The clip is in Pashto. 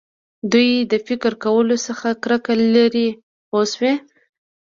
دوی د فکر کولو څخه کرکه لري پوه شوې!.